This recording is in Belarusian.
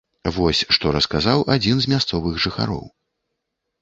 Вось што расказаў адзін з мясцовых жыхароў.